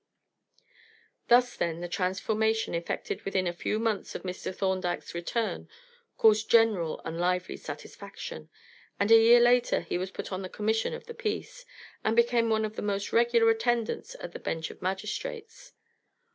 Thus, then, the transformation effected within a few months of Mr. Thorndyke's return caused general and lively satisfaction, and a year later he was put on the Commission of the Peace, and became one of the most regular attendants at the Bench of Magistrates.